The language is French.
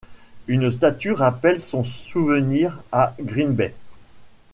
Une statue rappelle son souvenir à Green Bay.